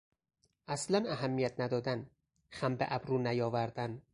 اصلا اهمیت ندادن، خم به ابرو نیاوردن